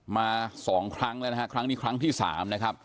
มาสองครั้งแล้วนะครับครั้งนี้ครั้งที่สามนะครับ